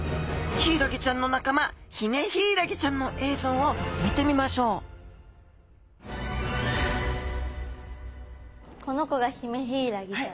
ヒイラギちゃんの仲間ヒメヒイラギちゃんの映像を見てみましょうこの子がヒメヒイラギちゃん。